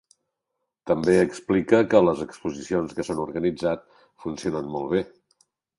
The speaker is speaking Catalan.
També explica que les exposicions que s’han organitzat funcionen molt bé.